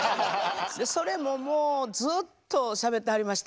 それももうずっとしゃべってはりました